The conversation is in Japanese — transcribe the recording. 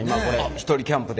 １人キャンプで。